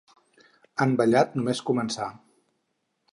Han ballat només començar.